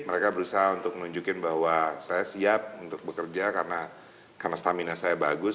mereka berusaha untuk nunjukin bahwa saya siap untuk bekerja karena stamina saya bagus